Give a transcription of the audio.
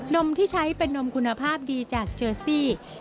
มที่ใช้เป็นนมคุณภาพดีจากเจอซี่